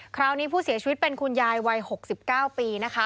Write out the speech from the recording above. คราวนี้ผู้เสียชีวิตเป็นคุณยายวัย๖๙ปีนะคะ